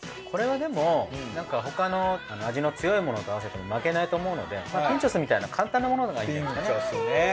これはでもなんか他の味の強いものと合わせても負けないと思うのでピンチョスみたいな簡単なものがいいんじゃないですかね。